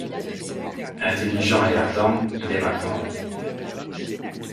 Intelligent et ardent, il aime apprendre.